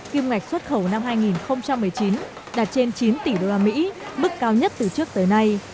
kim ngạch xuất khẩu năm hai nghìn một mươi chín đạt trên chín tỷ đô la mỹ mức cao nhất từ trước tới nay